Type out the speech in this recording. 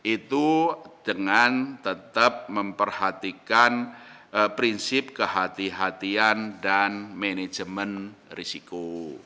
itu dengan tetap memperhatikan prinsip kehatian dan manajemen risiko